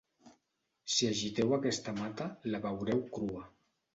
Si agiteu aquesta mata la veureu crua.